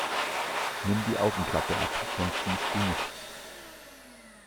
Nimm die Augenklappe ab, sonst siehst du nichts!